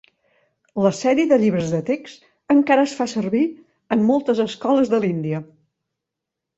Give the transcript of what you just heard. La sèrie de llibres de text encara es fa servir en moltes escoles de l'Índia.